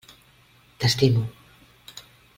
T'estimo!